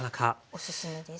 おすすめです。